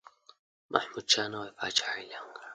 محمودشاه نوی پاچا اعلان کړ.